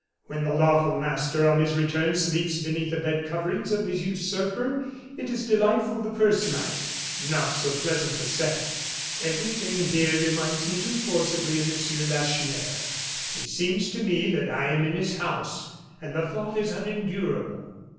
When the lawful master, on his return, sleeps beneath the bed coverings of the usurper, it is delightful, the first night, not so pleasant on the second. Everything here reminds me too forcibly of Monsieur Lacheneur. It seems to me that I am in his house; and the thought is unendurable.